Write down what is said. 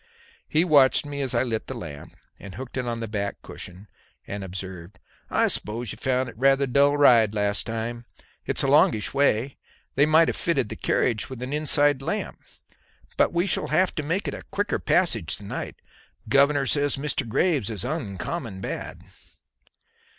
He watched me as I lit the lamp and hooked it on the back cushion, and observed: "I suppose you found it rather a dull ride last time. It's a longish way. They might have fitted the carriage with an inside lamp. But we shall have to make it a quicker passage to night. Governor says Mr. Graves is uncommon bad."